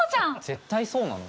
絶対そうなの？